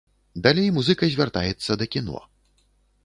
Далей музыка звяртаецца да кіно.